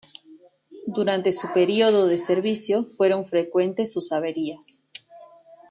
Durante su periodo de servicio, fueron frecuentes sus averías.